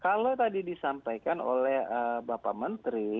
kalau tadi disampaikan oleh bapak menteri